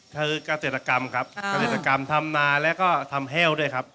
คือกาเศรษฐกรรมครับกาเศรษฐกรรมทำนาและก็ทำแห้วด้วยครับ